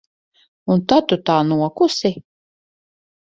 Un tad tu tā nokusi?